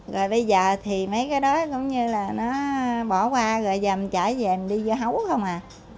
rồi bây giờ thì mấy cái đó cũng như là nó bỏ qua rồi giờ mình chở về mình đi vô hấu không à